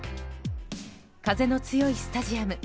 風の強いスタジアム。